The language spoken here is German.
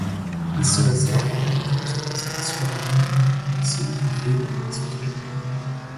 Bis zuletzt waren einige Topstars wie Scotty Nguyen, Huck Seed und Lee Watkinson vertreten.